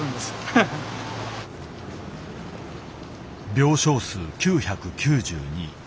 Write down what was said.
病床数９９２。